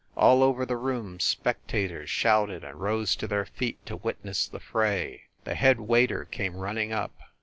All over the room spectators shouted and rose to their feet to witness the fray. The head waiter came running up.